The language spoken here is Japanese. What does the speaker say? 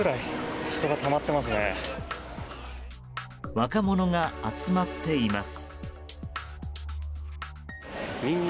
若者が集まっています。